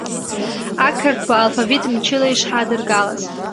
Ақырҭуа алфавит мчыла ишҳадыргалаз.